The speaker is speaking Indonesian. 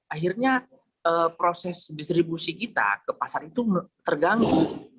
akhirnya proses distribusi kita ke pasar itu terganggu